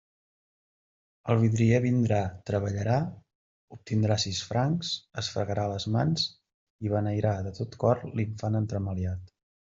El vidrier vindrà, treballarà, obtindrà sis francs, es fregarà les mans i beneirà de tot cor l'infant entremaliat.